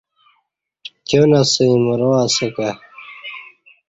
پتیان اسہ ایمرا اسہ کہ